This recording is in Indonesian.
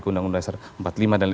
ke undang undang empat puluh lima dan